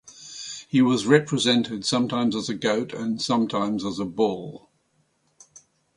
He was represented sometimes as a goat and sometimes as a bull.